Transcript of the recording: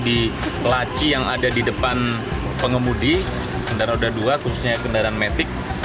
di laci yang ada di depan pengemudi kendaraan roda dua khususnya kendaraan metik